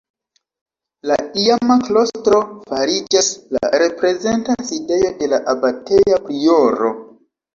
La iama klostro fariĝas la reprezenta sidejo de la abateja prioro.